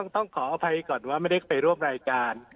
ต้องขออภัยก่อนว่าไม่ได้ไปร่วมรายการ